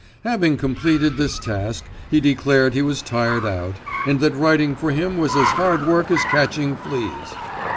Having completed this task, he declared he was tired out, and that writing for him was as hard work as catching fleas.